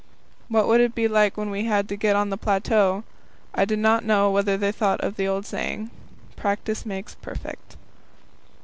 What would it be like when we had to get on to the plateau? I do not know whether they thought of the old saying: Practice makes perfect.